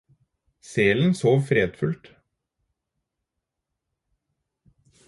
Selen sov fredfullt.